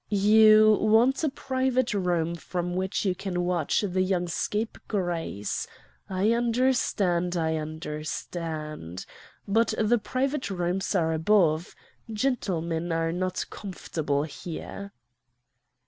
'You want a private room from which you can watch the young scapegrace. I understand, I understand. But the private rooms are above. Gentlemen are not comfortable here.